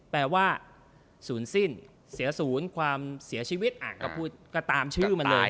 แปลว่าสูญสิ้นเสียสูญความเสียชีวิตก็ตามชื่อมันเลย